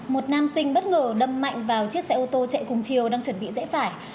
một nam sinh bất ngờ đâm mạnh vào chiếc xe ô tô chạy cùng chiều đang chuẩn bị rẽ phải